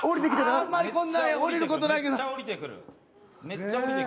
あまりこんなに降りることないけど。